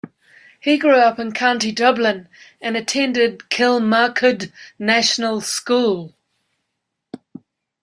He grew up in County Dublin and attended Kilmacud National School.